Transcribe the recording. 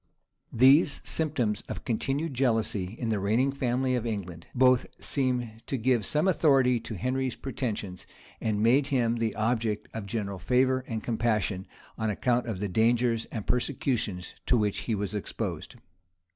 These symptoms of continued jealousy in the reigning family of England, both seemed to give some authority to Henry's pretensions, and made him the object of general favor and compassion, on account of the dangers and persecutions to which he was exposed.